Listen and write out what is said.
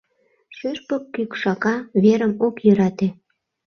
Шӱшпык кӱкшака верым ок йӧрате.